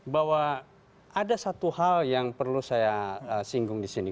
bahwa ada satu hal yang perlu saya singgung di sini